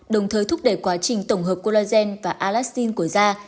đồng thời thúc đẩy quá trình tổng hợp collagen và alastin của da